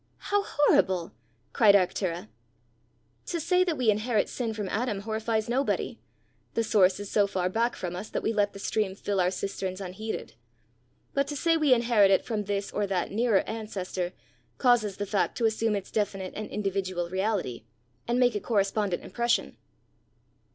"How horrible!" cried Arctura. "To say that we inherit sin from Adam, horrifies nobody: the source is so far back from us, that we let the stream fill our cisterns unheeded; but to say we inherit it from this or that nearer ancestor, causes the fact to assume its definite and individual reality, and make a correspondent impression."